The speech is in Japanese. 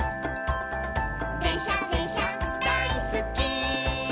「でんしゃでんしゃだいすっき」